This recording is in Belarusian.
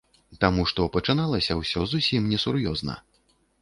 Таму што пачыналася ўсё зусім несур'ёзна.